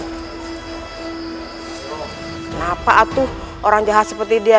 kenapa aduh orang jahat seperti dia